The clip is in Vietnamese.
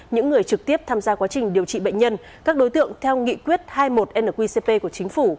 những người trực tiếp tham gia quá trình điều trị bệnh nhân các đối tượng theo nghị quyết hai mươi một nqcp của chính phủ